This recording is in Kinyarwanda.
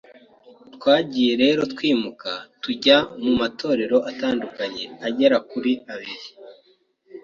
Twagiye rero twimuka, tujya mu matorero atandukanye agera kuri abiri